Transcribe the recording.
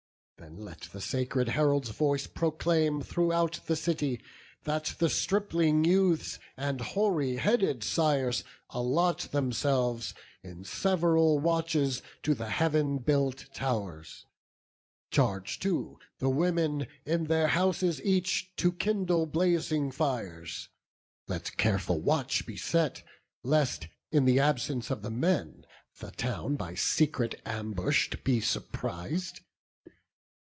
Then let the sacred heralds' voice proclaim Throughout the city, that the stripling youths And hoary headed sires allot themselves In sev'ral watches to the Heav'n built tow'rs. Charge too the women, in their houses each, To kindle blazing fires; let careful watch Be set, lest, in the absence of the men, The town by secret ambush be surpris'd.